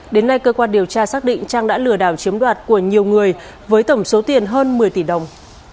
đến nay cơ quan điều tra xác định trang đã lừa đảo chiếm đoạt của nhiều người với tổng số tiền hơn một mươi tỷ đồng